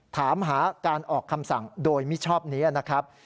ถามหาการออกคำสั่งโดยมิชอบนี้นะครับ